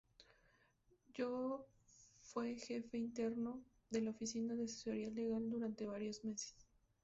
Yoo fue jefe interino de la Oficina de Asesoría Legal durante varios meses.